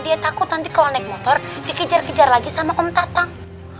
dia takut nanti kalau naik motor dikejar kejar lagi sama kaum tatang